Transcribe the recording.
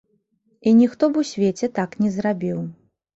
І ніхто б у свеце так не зрабіў.